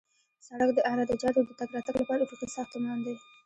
سړک د عراده جاتو د تګ راتګ لپاره افقي ساختمان دی